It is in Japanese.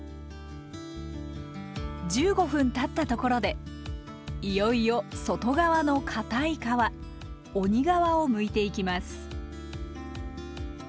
１５分たったところでいよいよ外側のかたい皮「鬼皮」をむいていきます。